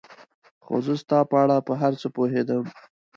خو زه ستا په اړه په هر څه پوهېدم.